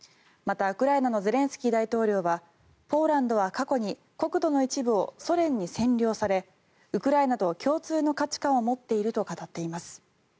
また、ウクライナのゼレンスキー大統領はポーランドは過去に国土の一部をソ連に占領されウクライナと共通の価値観を持っていると語っています。